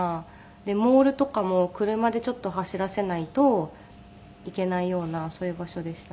でモールとかも車でちょっと走らせないと行けないようなそういう場所でしたね。